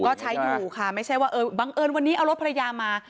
ก็ใช้อยู่ค่ะไม่ใช่ว่าบังเอิญวันนี้เอารถภรรยามา